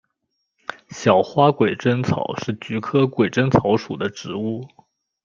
小花鬼针草是菊科鬼针草属的植物。